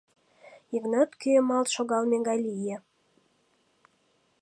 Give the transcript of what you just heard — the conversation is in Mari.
Йыгнат кӱэмалт шогалме гай лие.